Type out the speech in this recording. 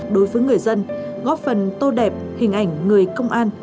đối với người dân góp phần tô đẹp hình ảnh người công an